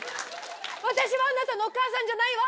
私はあなたのお母さんじゃないわ。